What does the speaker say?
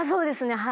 はい。